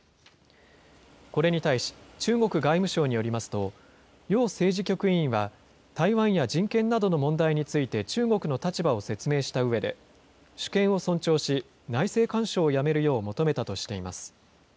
これに対し、中国外務省によりますと、楊政治局委員は、台湾や人権などの問題について中国の立場を説明したうえで、主権を尊重し、内政干渉をやめるよう求めたとしています。